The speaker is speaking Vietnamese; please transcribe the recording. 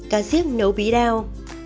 cá diếc nấu bí đao